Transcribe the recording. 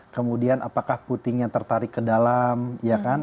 kemudian apakah putingnya tertarik ke dalam ya kan